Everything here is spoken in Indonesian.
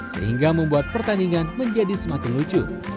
sehingga membuat pertandingan menjadi semakin lucu